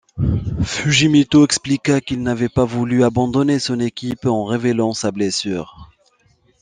Fujimoto expliqua qu'il n'avait pas voulu abandonner son équipe en révélant sa blessure.